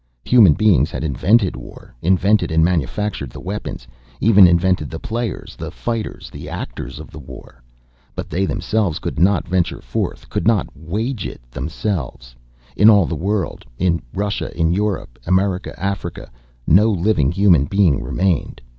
Human beings had invented war, invented and manufactured the weapons, even invented the players, the fighters, the actors of the war. But they themselves could not venture forth, could not wage it themselves. In all the world in Russia, in Europe, America, Africa no living human being remained.